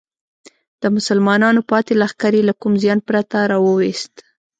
د مسلمانانو پاتې لښکر یې له کوم زیان پرته راوویست.